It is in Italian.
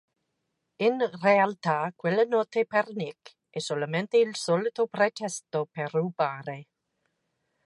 In realtà quella notte per Nik è solamente il solito pretesto per rubare.